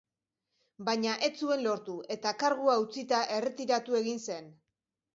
Baina ez zuen lortu eta kargua utzita, erretiratu egin zen.